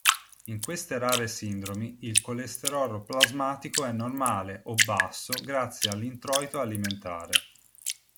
In queste rare sindromi il colesterolo plasmatico è normale o basso grazie all'introito alimentare.